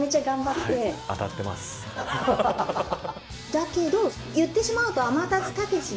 だけど言ってしまうと。